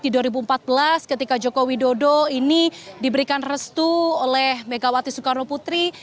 di dua ribu empat belas ketika joko widodo ini diberikan restu oleh megawati soekarno putri